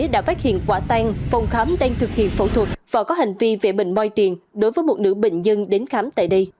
đang thực hiện phẫu thuật và có hành vi vẽ bệnh môi tiền đối với một nữ bệnh nhân đến khám tại đây